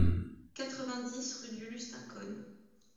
quatre-vingt-dix rue du Lustincone